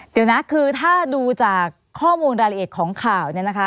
เดี๋ยวนะคือถ้าดูจากข้อมูลรายละเอกของข่าว